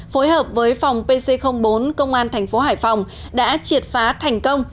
phối hợp với phòng pc bốn công an thành phố hải phòng đã triệt phá thành công